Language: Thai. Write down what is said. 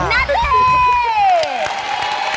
นาตี้